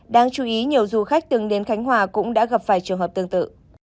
đáng chú ý nhiều du khách từng đến khánh hòa cũng đã gặp phải trường hợp tương tự